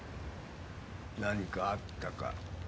何かあったか？